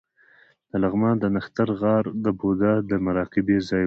د لغمان د نښتر غار د بودا د مراقبې ځای و